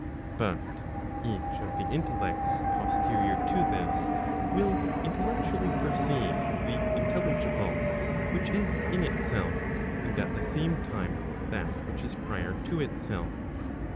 But each of the intellects posterior to this, will intellectually perceive the intelligible which is in itself, and at the same time that which is prior to itself.